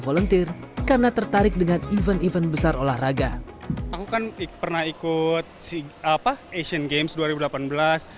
volunteer karena tertarik dengan event event besar olahraga aku kan pernah ikut si apa asian games